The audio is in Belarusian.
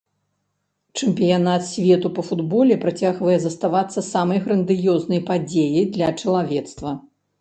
Чэмпіянат свету па футболе працягвае заставацца самай грандыёзнай падзеяй для чалавецтва.